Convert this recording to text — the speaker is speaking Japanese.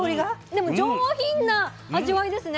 でも上品な味わいですね。